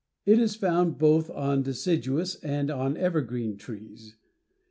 It is found both on deciduous and on evergreen trees.